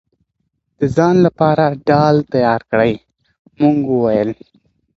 د خپل ځان لپاره ډال تيار کړئ!! مونږ وويل: